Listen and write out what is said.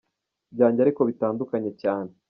byanjye ariko bitandukanye cyane.